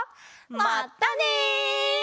まったね！